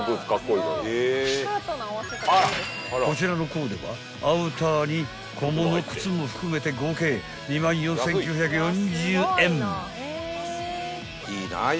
［こちらのコーデはアウターに小物靴も含めて合計２万４，９４０円］